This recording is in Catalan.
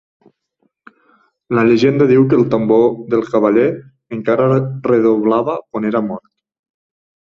La llegenda diu que el tambor del cavaller encara redoblava quan era mort.